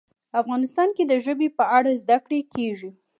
افغانستان کې د ژبې په اړه زده کړه کېږي.